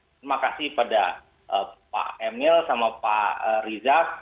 terima kasih pada pak emil sama pak rizak